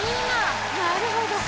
なるほど。